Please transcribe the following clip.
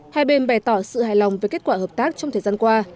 hai bên bày tỏ sự hài lòng về kết quả hợp tác trong thời gian qua